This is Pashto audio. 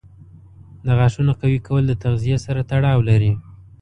د غاښونو قوي کول د تغذیې سره تړاو لري.